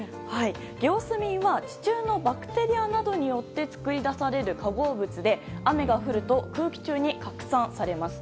ゲオスミンは地中のバクテリアなどによって作り出される化合物で雨が降ると空気中に拡散されます。